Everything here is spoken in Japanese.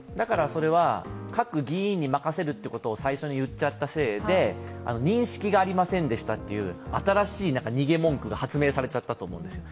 それは各議員に任せると最初に言ってしまったせいで、認識がありませんでしたという新しい逃げ文句が発明されちゃったと思うんですよ。